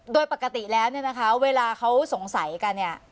โดยปกติแล้วเนี่ยนะคะเวลาเขาสงสัยกันเนี่ย